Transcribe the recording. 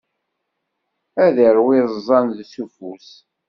Ad irwi iẓẓan s ufus.